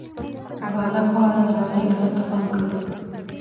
غاله خواره د غالۍ ارزښت ته پام کوي.